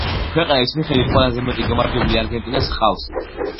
ქვეყნების მიხედვით ყველაზე მეტი გამარჯვებული არგენტინას ჰყავს.